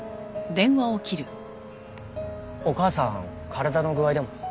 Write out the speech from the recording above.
お母さん体の具合でも？